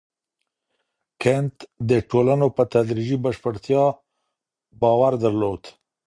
کنت د ټولنو په تدريجي بشپړتيا باور درلود.